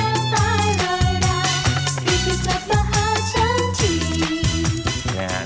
คิดหลับมาหาฉันจริง